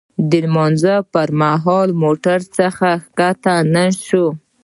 د لمانځه پر مهال موټر څخه ښکته نه شوو.